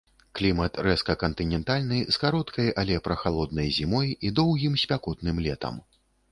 Клімат рэзка кантынентальны з кароткай, але прахалоднай зімой і доўгім спякотным летам.